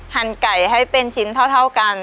ไก่ให้เป็นชิ้นเท่ากัน